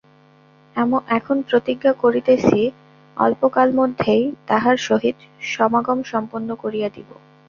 এখন প্রতিজ্ঞা করিতেছি অল্পকালমধ্যেই তাহার সহিত সমাগম সম্পন্ন করিয়া দিব।